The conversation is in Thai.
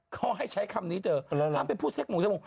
เขาให้ใช้คำนี้เธอห้ามไปพูดเซ็กหมูเซ็กหมู